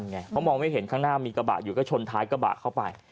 เพราะมองไม่เห็นข้างหน้ามีกระบะอยู่ก็ชนท้ายกระบะเข้าไป